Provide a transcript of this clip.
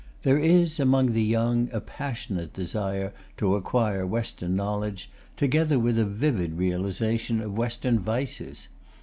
There is, among the young, a passionate desire to acquire Western knowledge, together with a vivid realization of Western vices.